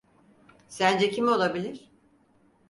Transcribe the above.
Sence kim olabilir?